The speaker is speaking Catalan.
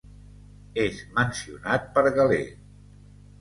És mencionat per Galè.